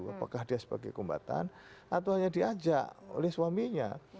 apakah dia sebagai kombatan atau hanya diajak oleh suaminya